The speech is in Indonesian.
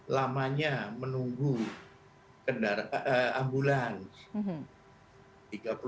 lamanya menunggu ambulans